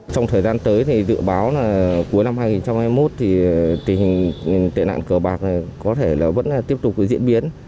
trong thời gian tới thì dự báo là cuối năm hai nghìn hai mươi một thì tình hình tệ nạn cờ bạc này có thể là vẫn tiếp tục với diễn biến